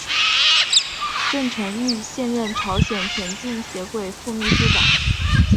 郑成玉现任朝鲜田径协会副秘书长。